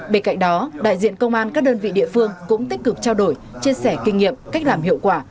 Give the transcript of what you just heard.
bên cạnh đó đại diện công an các đơn vị địa phương cũng tích cực trao đổi chia sẻ kinh nghiệm cách làm hiệu quả